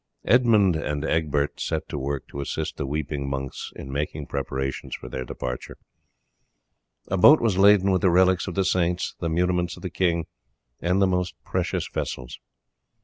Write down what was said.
Edmund and Egbert set to work to assist the weeping monks in making preparations for their departure. A boat was laden with the relics of the saints, the muniments of the king, and the most precious vessels.